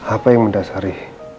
apa yang mendasari